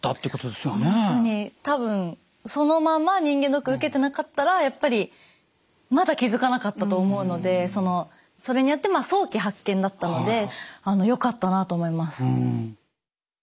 多分そのまま人間ドック受けてなかったらやっぱりまだ気付かなかったと思うのでそれによって早期発見だったのでよかったなと思います。